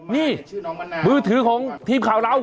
นี่มือถือของทีมข่าวเรา